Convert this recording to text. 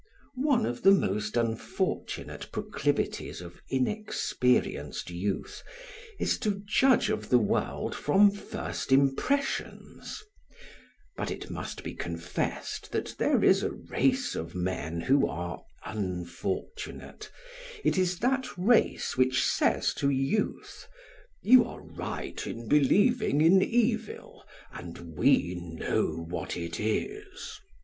One of the most unfortunate proclivities of inexperienced youth is to judge of the world from first impressions; but it must be confessed that there is a race of men who are very unfortunate; it is that race which says to youth: "You are right in believing in evil, and we know what it is."